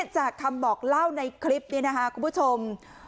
จากคำบอกเล่านี่คุณผู้ชม